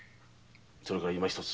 それからいま一つ。